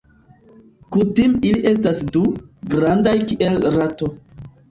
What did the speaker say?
Kutime ili estas du, grandaj kiel rato.